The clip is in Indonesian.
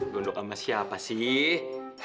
gondok sama siapa sih